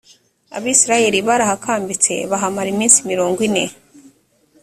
abisirayeli barahakambitse bahamara iminsi mirongo ine